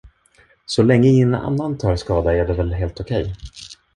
Så länge ingen tar skada är det väl helt okej?